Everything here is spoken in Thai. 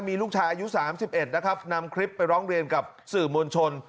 มีลูกชายอายุ๓๑นะครับนำคลิปไปร้องเรียนกับสื่อมวลชน